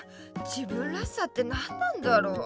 自分らしさって何なんだろう。